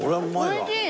おいしい！